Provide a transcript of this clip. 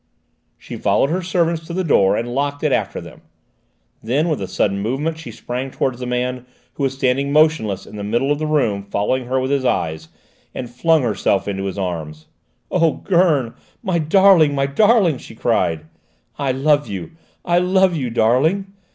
She followed her servants to the door and locked it after them. Then with a sudden movement she sprang towards the man, who was standing motionless in the middle of the room following her with his eyes, and flung herself into his arms. "Oh, Gurn, my darling, my darling!" she cried. "I love you! I love you, darling!"